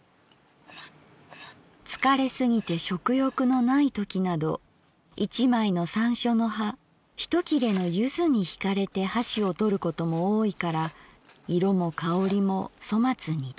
「疲れすぎて食欲のないときなど一枚の山椒の葉一切れの柚子にひかれて箸をとることも多いから色も香りも粗末に出来ない。